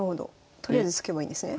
とりあえず突けばいいんですね